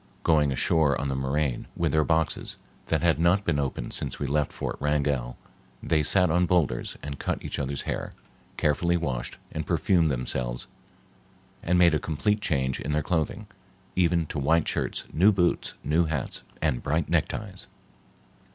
Going ashore on the moraine with their boxes that had not been opened since we left Fort Wrangell, they sat on boulders and cut each other's hair, carefully washed and perfumed themselves and made a complete change in their clothing, even to white shirts, new boots, new hats, and bright neckties.